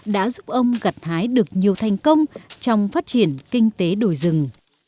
đã giúp ông gặt hái được nhiều thành công trong phát triển kinh tế đồi rừng